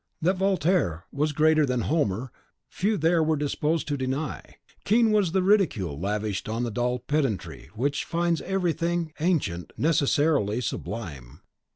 That Voltaire was greater than Homer few there were disposed to deny. Keen was the ridicule lavished on the dull pedantry which finds everything ancient necessarily sublime.